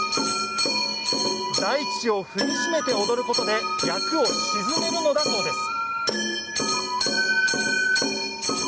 大地を踏み締めて踊ることで厄を鎮めるのだそうです。